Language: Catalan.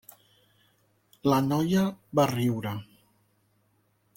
La noia va riure.